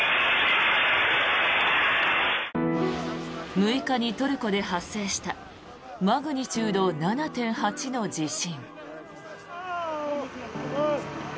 ６日にトルコで発生したマグニチュード７．８の地震。